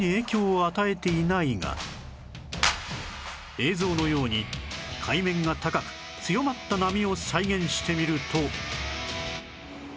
映像のように海面が高く強まった波を再現してみると